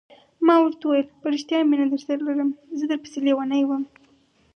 ما ورته وویل: په رښتیا مینه درسره لرم، زه در پسې لیونی وم.